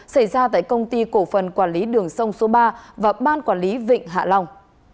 xảy ra tại công ty cổ phần quản lý đường sông số ba và ban quản lý vịnh hạ long